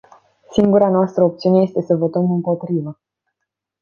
Singura noastră opțiune este să votăm împotrivă.